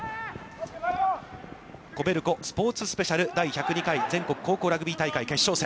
ＫＯＢＥＬＣＯスポーツスペシャル、第１０２回全国高校ラグビー大会決勝戦。